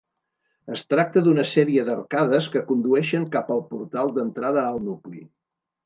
Es tracta d'una sèrie d'arcades que condueixen cap al portal d'entrada al nucli.